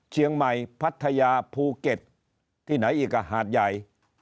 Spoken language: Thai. เชียงใหม่พัทยาภูเก็ตที่ไหนอีกอ่ะหาดใหญ่